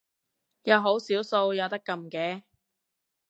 有好少數有得撳嘅